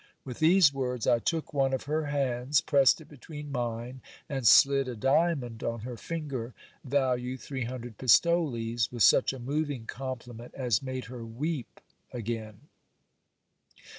With these words I took one of her hands, pressed it between mine, and slid a diamond on her finger value three hundred pistoles, with such a moving compliment as made her weep again.